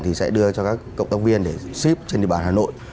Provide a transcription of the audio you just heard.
thì sẽ đưa cho các cộng tác viên để ship trên địa bàn hà nội